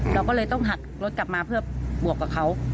เราก็เลยต้องหักรถกลับมาเพื่อบวกกับเขา